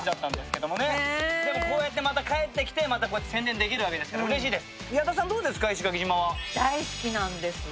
でもこうやって帰ってきてまた宣伝できるわけですからうれしいです。